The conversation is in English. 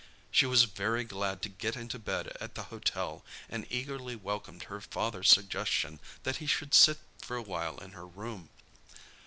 She was very glad to get into bed at the hotel, and eagerly welcomed her father's suggestion that he should sit for a while in her room.